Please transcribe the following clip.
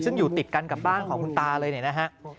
ซึ่งอยู่ติดกันกับบ้านของคุณตาเลยเนี่ยนะฮะ